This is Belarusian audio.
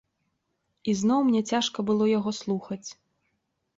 Ізноў мне цяжка было яго слухаць.